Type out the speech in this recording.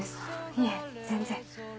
いえ全然。